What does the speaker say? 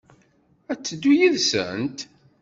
Ad d-teddu yid-sent?